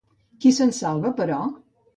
Qui se'n salvava, però?